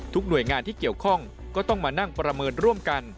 หน่วยงานที่เกี่ยวข้องก็ต้องมานั่งประเมินร่วมกัน